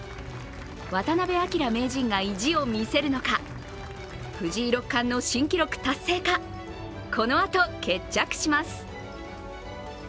渡辺明名人が意地を見せるのか藤井六冠の新記録達成かこのあと決着します。